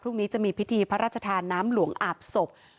พรุ่งนี้จะมีพิธีพระราชทานน้ำหลวงอาบศพ